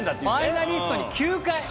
ファイナリストに９回。